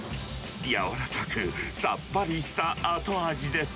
柔らかく、さっぱりした後味です。